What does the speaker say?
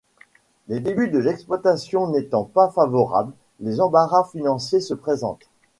Les débuts de l'exploitation n'étant pas favorables, les embarras financiers se présentent.